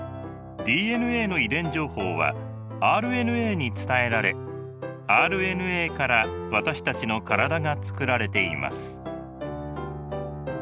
ＤＮＡの遺伝情報はＲＮＡに伝えられＲＮＡから私たちの体がつくられています。